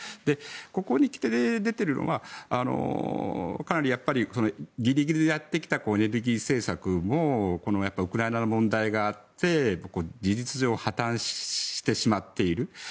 ここに来て出ているのはギリギリでやってきたエネルギー政策もウクライナの問題があって事実上破たんしてしまっている。